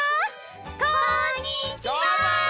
こんにちは！